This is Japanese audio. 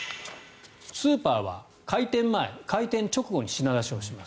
スーパーは開店前、開店直後に品出しをします。